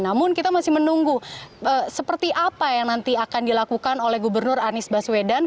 namun kita masih menunggu seperti apa yang nanti akan dilakukan oleh gubernur anies baswedan